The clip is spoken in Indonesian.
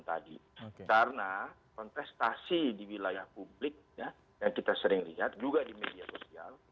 karena kontestasi di wilayah publik ya yang kita sering lihat juga di media sosial